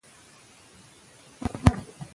ښوونکي وویل چې مینه ضروري ده.